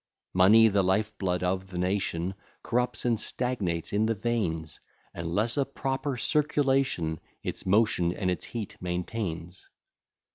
Money, the life blood of the nation, Corrupts and stagnates in the veins, Unless a proper circulation Its motion and its heat maintains.